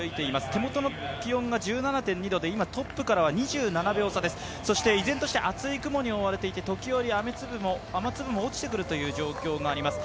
手元の気温が１７．２度で、今、トップからは２７秒差です、依然として厚い雲に覆われていて時折、雨粒も落ちてくるという状況があります。